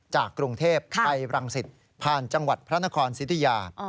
จากกรุงเทพไปรังสิตผ่านจังหวัดพระนครสิทธิยา